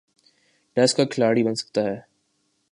Test کا کھلاڑی بن سکتا ہے۔